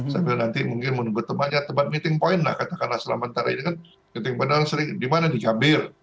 sampai nanti mungkin menempat tempat meeting point lah katakanlah selama antara ini kan meeting point dimana dikambil